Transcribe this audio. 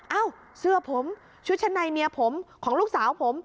เอ้าเสื้อผมชุดชั้นในเมียผมของลูกสาวผม